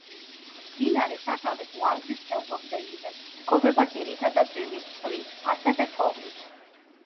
მდინარე სათავეს ლანგრის ფერდობზე იღებს, იკვებება ძირითადად წვიმის წყლით, ასევე თოვლით.